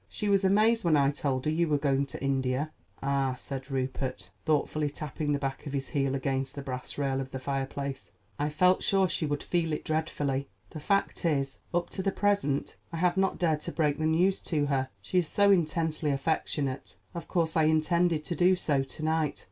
She was amazed when I told her you were going to India." "Ah!" said Rupert, thoughtfully tapping the back of his heel against the brass rail of the fireplace, "I felt sure she would feel it dreadfully. The fact is, up to the present I have not dared to break the news to her, she is so intensely affectionate. Of course I intended to do so to night.